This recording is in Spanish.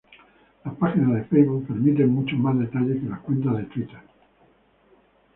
Las páginas de Facebook permiten mucho más detalle que las cuentas de "Twitter".